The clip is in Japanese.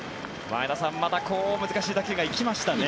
前田さん、またこう難しい打球が行きましたね。